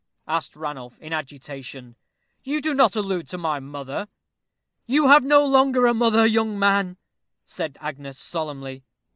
asked Ranulph, in agitation. "You do not allude to my mother?" "You have no longer a mother, young man," said Agnes, solemnly.